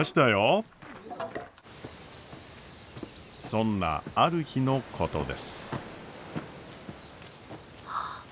そんなある日のことです。